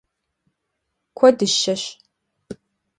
Куэдыщэщ!